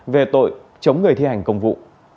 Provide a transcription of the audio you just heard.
về tội chống người thi hành công vụ